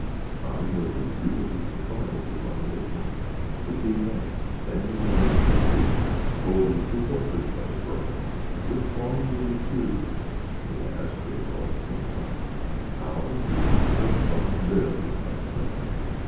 I was agreeably surprised upon waking to see Nat standing within a few feet, holding two horses by the bridle. "Which one will you choose?" he asked with a broad smile. "How did you come by them?" asked I.